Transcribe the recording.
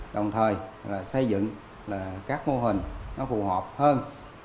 đồng thời xây dựng các mô hình nó phù hợp hơn